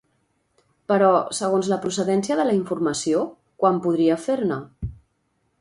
Però, segons la procedència de la informació, quant podria fer-ne?